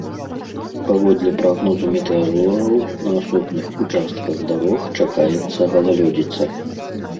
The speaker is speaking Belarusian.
Паводле прагнозу метэаролагаў, на асобных участках дарог чакаецца галалёдзіца.